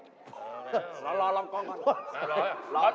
รอรอรองกองก่อน